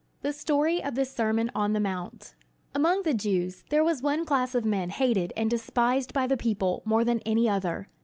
THE STORY OF THE SERMON ON THE MOUNT Among the Jews there was one class of men hated and despised by the people more than any other.